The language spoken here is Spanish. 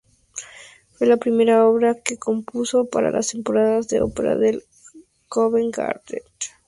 Fue la primera obra que compuso para las temporadas de ópera del Covent Garden.